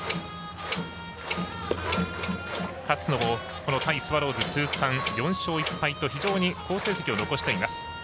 勝野もこの対スワローズ通算４勝１敗と非常に好成績を残しています。